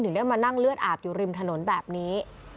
ได้มานั่งเลือดอาบอยู่ริมถนนแบบนี้